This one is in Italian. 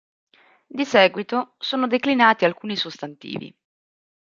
Di seguito sono declinati alcuni sostantivi.